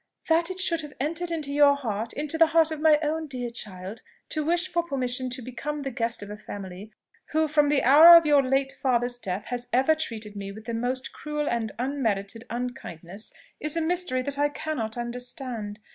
"That it should have entered into your heart, into the heart of my own dear child, to wish for permission to become the guest of a family who from the hour of your late father's death has ever treated me with the most cruel and unmerited unkindness, is a mystery that I cannot understand.